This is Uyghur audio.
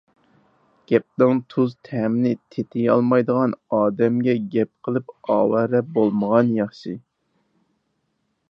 گەپنىڭ تۇز تەمىنى تېتىيالمايدىغان ئادەمگە گەپ قىلىپ ئاۋارە بولمىغان ياخشى.